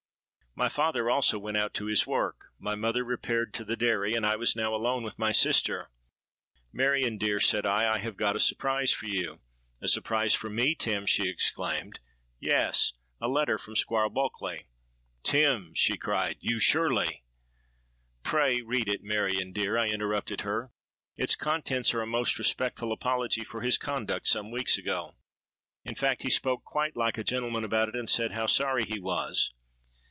My father also went out to his work; my mother repaired to the dairy; and I was now alone with my sister. 'Marion, dear,' said I, 'I have got a surprise for you.'—'A surprise for me, Tim!' she exclaimed.—'Yes; a letter from Squire Bulkeley.'—'Tim!' she cried, 'you surely——.'—'Pray read it, Marion dear,' I interrupted her. 'Its contents are a most respectful apology for his conduct some weeks ago. In fact, he spoke quite like a gentleman about it, and said how sorry he was.'